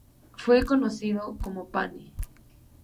Fue conocido como "Pane".